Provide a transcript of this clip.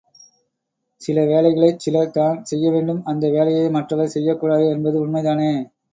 சில வேலைகளைச் சிலர் தான் செய்யவேண்டும் அந்த வேலையை மற்றவர் செய்யக்கூடாது என்பது உண்மைதானே!